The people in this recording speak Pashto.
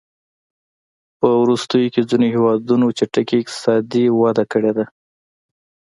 په وروستیو کې ځینو هېوادونو چټکې اقتصادي وده کړې ده.